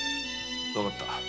分かった。